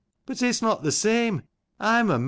But it's not the same. I'm a man.